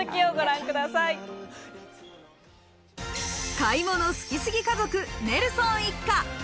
買い物好きすぎ家族・ネルソン一家。